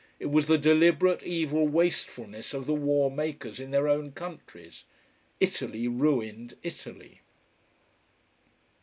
It was the deliberate evil wastefulness of the war makers in their own countries. Italy ruined Italy.